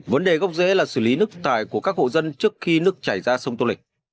vấn đề gốc dễ là xử lý nước thải của các hộ dân trước khi nước chảy ra sông tô lịch